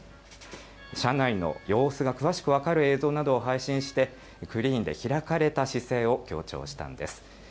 車内の様子が詳しく分かる映像などを配信してクリーンで開かれた姿勢を強調したんです。